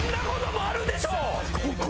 ここ？